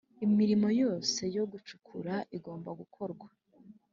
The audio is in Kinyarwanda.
Imirimo yose yo gucukura igomba gukorwa